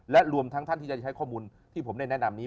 และรวมทั้งท่านที่จะใช้ข้อมูลที่ผมได้แนะนำนี้